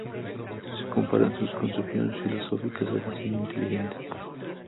Se comparan sus concepciones filosóficas al diseño inteligente.